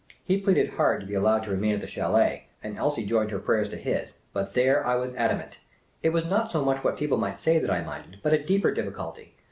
He pleaded hard to be allowed to remain at the chdld, and Elsie joined her prayers to his ; but there I was adamant. It was not so much what people might say that I minded, but a deeper difficulty.